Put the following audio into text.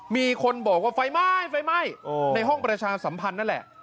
มีคนบอกว่าไฟไหม้ไฟไหม้ในห้องประชาสัมพันธ์นั่นแหละ